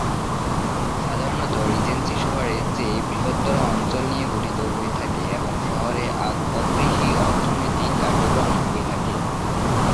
সাধারণত রিজেন্সি শহরের চেয়ে বৃহত্তর অঞ্চল নিয়ে গঠিত হয়ে থাকে এবং শহরে অকৃষি অর্থনৈতিক কার্যক্রম হয়ে থাকে।